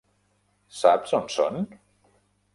Saps on són?